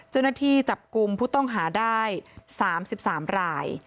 เจ้าหน้าที่จับกลุ่มผู้ต้องหาได้๓๓ราย